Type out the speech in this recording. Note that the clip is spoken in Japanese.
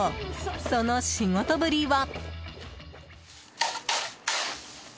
その仕事ぶりは。